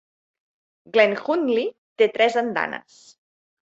Glenhuntly té tres andanes.